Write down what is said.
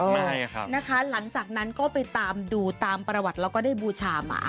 ใช่ค่ะนะคะหลังจากนั้นก็ไปตามดูตามประวัติแล้วก็ได้บูชาหมา